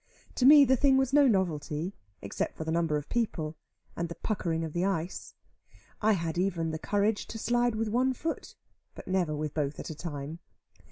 To me the thing was no novelty, except from the number of people, and the puckering of the ice. I had even the courage to slide with one foot, but never with both at a time.